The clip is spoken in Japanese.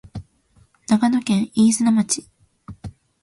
長野県飯綱町